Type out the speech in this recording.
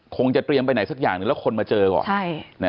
คงจะเตรียมไปไหนสักอย่างหนึ่งแล้วคนมาเจอก่อน